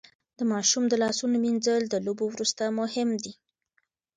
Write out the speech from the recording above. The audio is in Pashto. د ماشوم د لاسونو مينځل د لوبو وروسته مهم دي.